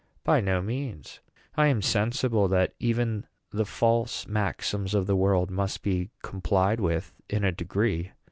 "By no means. I am sensible that even the false maxims of the world must be complied with in a degree.